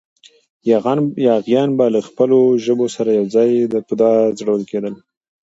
یاغیان به له خپلو ژبو سره یو ځای په دار ځړول کېدل.